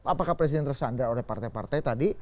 apakah presiden tersandar oleh partai partai tadi